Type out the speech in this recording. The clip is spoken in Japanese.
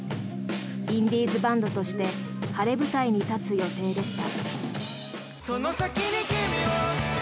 インディーズバンドとして晴れ舞台に立つ予定でした。